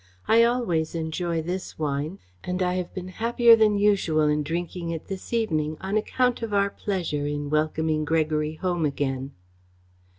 I always enjoy this wine, and I have been happier than usual in drinking it this evening, on account of our pleasure in welcoming Gregory home again."